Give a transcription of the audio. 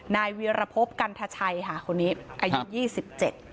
นายเวียรพพกัณฑชัยค่ะคุณนิอายุ๒๗ค่ะครับ